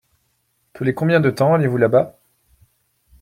Tous les combien de temps allez-vous là-bas ?